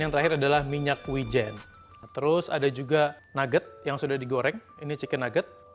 yang terakhir adalah minyak wijen terus ada juga nugget yang sudah digoreng ini chicken nugget